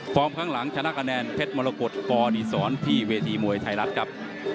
ข้างหลังชนะคะแนนเพชรมรกฏปดีศรที่เวทีมวยไทยรัฐครับ